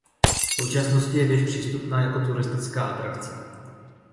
V současnosti je věž přístupná jako turistická atrakce.